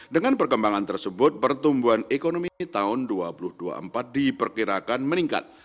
dengan perkembangan tersebut pertumbuhan ekonomi tahun dua ribu dua puluh empat diperkirakan meningkat